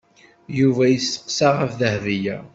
Yuba yesteqsa ɣef Dahbiya.